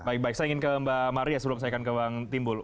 baik baik saya ingin ke mbak maria sebelum saya kembang timbul